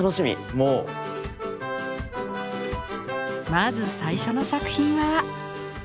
まず最初の作品は。